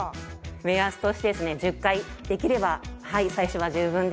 目安としてですね１０回できれば最初は十分です。